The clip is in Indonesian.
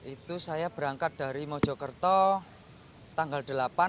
itu saya berangkat dari mojokerto tanggal delapan